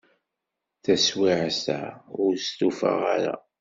Taswiɛt-a, ur stufaɣ ara.